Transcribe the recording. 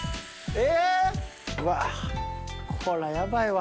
え！